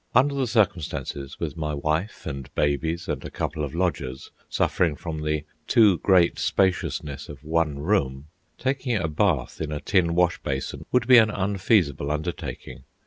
Under the circumstances, with my wife and babies and a couple of lodgers suffering from the too great spaciousness of one room, taking a bath in a tin wash basin would be an unfeasible undertaking.